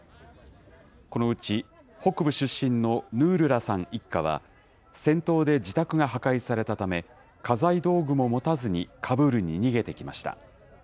このうち、北部出身のヌールラさん一家は、戦闘で自宅が破壊されたため、家財道具も持たずにカブールに逃げてきました。